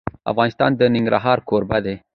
افغانستان د ننګرهار کوربه دی.